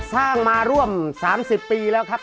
สร้างมาร่วม๓๐ปีแล้วครับ